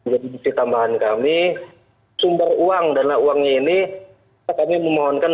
jadi bukti tambahan kami sumber uang dana uangnya ini kami memohonkan